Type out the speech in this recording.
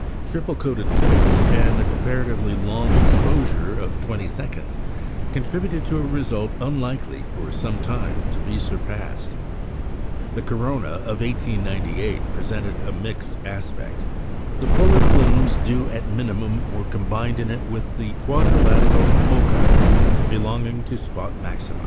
Triple coated plates, and a comparatively long exposure of twenty seconds, contributed to a result unlikely, for some time, to be surpassed. The corona of 1898 presented a mixed aspect. The polar plumes due at minimum were combined in it with the quadrilateral ogives belonging to spot maxima.